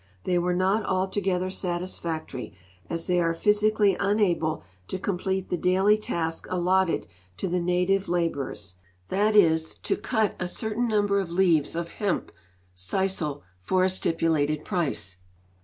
They were not altogether satisfactory, as they are physically unable to complete the daily task allotted to the native labor ers— that is, to cut a certain number of leaves of hemp (sisal) for a stipu lated price.